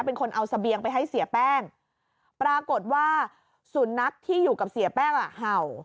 เป็นคนเอาเสบียงไปให้เสียแป้งปรากฏว่าสุนัขที่อยู่กับเสียแป้งอ่ะเห่า